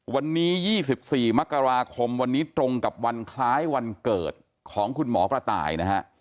วันนี้๒๔มกราคมวันนี้ตรงกับวันคล้ายวันเกิดของคุณหมอกระต่ายนะฮะ